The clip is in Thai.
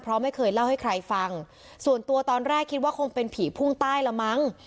เพราะไม่เคยเล่าให้ใครฟังส่วนตัวตอนแรกคิดว่าคงเป็นผีพุ่งใต้ละมั้ง